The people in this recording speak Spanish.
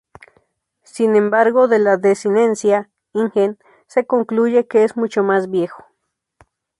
Sin embargo, de la desinencia -"ingen" se concluye que es mucho más viejo.